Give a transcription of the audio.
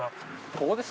ここです。